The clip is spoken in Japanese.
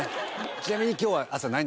ちなみに今日は。